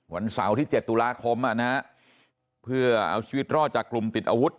วันเสาร์ที่๗ตุลาคมเพื่อเอาชีวิตรอดจากกลุ่มติดอาวุธ